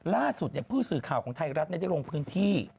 ล่าสุดผู้สื่อข่าวของไทยรัฐได้ลงพื้นที่